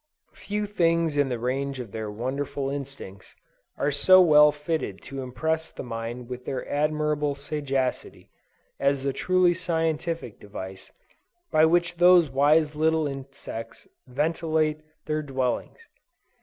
Few things in the range of their wonderful instincts, are so well fitted to impress the mind with their admirable sagacity, as the truly scientific device, by which these wise little insects ventilate their dwellings.